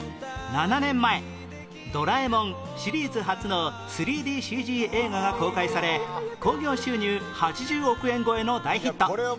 ７年前『ドラえもん』シリーズ初の ３ＤＣＧ 映画が公開され興行収入８０億円超えの大ヒット